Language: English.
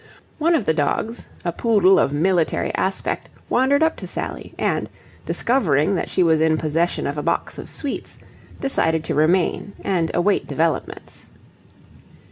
One of the dogs, a poodle of military aspect, wandered up to Sally: and discovering that she was in possession of a box of sweets, decided to remain and await developments.